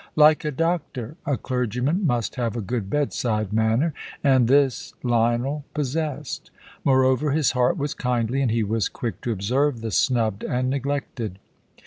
Like a doctor, a clergyman must have a good bedside manner, and this Lionel possessed. Moreover, his heart was kindly, and he was quick to observe the snubbed and neglected.